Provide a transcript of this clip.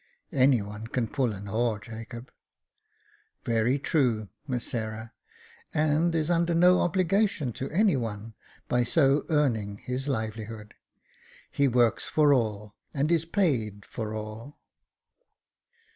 " Any one can pull an oar, Jacob." " Very true. Miss Sarah, and is under no obligation to any one by so earning his livelihood. He works for all, and is paid for all."